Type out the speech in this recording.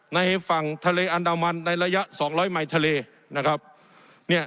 ในฝั่งทะเลอันดามันในระยะสองร้อยไมค์ทะเลนะครับเนี่ย